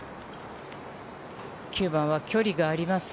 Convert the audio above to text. ９番は距離があります。